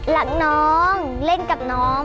หลังน้องเล่นกับน้อง